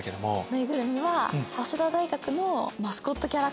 ぬいぐるみは早稲田大学のマスコットキャラクター。